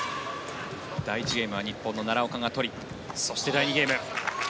第１ゲームは日本の奈良岡が取りそして第２ゲーム。